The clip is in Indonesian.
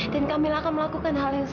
dan kak mila akan melakukan hal yang sama